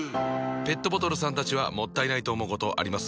ペットボトルさんたちはもったいないと思うことあります？